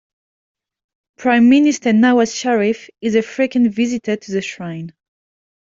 Prime Minister Nawaz Sharif is a frequent visitor to the shrine.